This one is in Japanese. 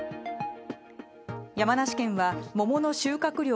山梨県は桃の収穫量